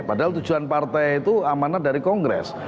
padahal tujuan partai itu amanat dari kongres